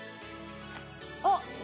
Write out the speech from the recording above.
あっ